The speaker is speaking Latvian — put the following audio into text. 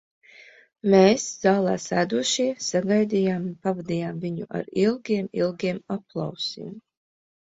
Mēs, zālē sēdošie, sagaidījām un pavadījām viņu ar ilgiem, ilgiem aplausiem.